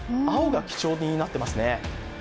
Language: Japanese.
青が基調になっていますね。